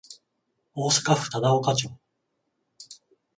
大阪府忠岡町